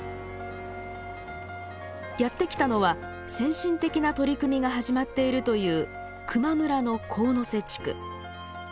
やって来たのは先進的な取り組みが始まっているという球磨村の神瀬地区。